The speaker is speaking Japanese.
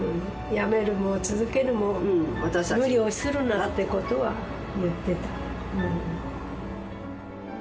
やめるも続けるも無理をするなってことは言ってた。